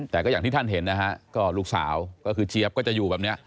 แต่ก็อย่างที่ท่านเห็นนะฮะก็ลูกสาวก็คือเจี๊ยบก็จะอยู่แบบนี้